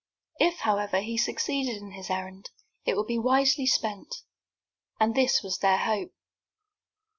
If, however, he succeeded in his errand it would be wisely spent, and this was their hope.